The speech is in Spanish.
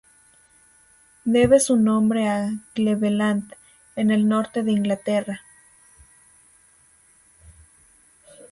Debe su nombre a Cleveland, en el norte de Inglaterra.